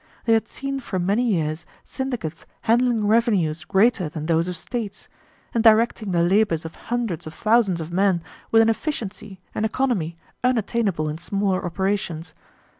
They had seen for many years syndicates handling revenues greater than those of states, and directing the labors of hundreds of thousands of men with an efficiency and economy unattainable in smaller operations.